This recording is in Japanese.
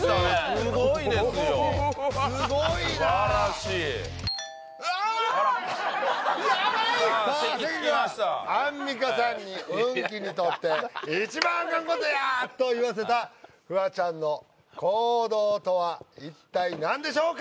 すばらしいヤバい！さあ関君アンミカさんに「運気にとって一番アカンことや！」と言わせたフワちゃんの行動とは一体何でしょうか？